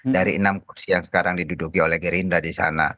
dari enam kursi yang sekarang diduduki oleh gerindra di sana